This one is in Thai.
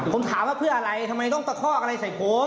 ผมถามว่าเพื่ออะไรทำไมต้องตะคอกอะไรใส่ผม